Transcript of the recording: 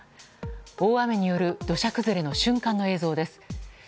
大雨による土砂崩れの瞬間の映像です。